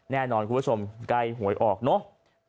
แน่นอนคุณผู้ชมใกล้หวยออกเนอะ